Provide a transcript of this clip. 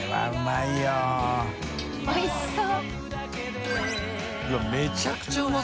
いやおいしそう。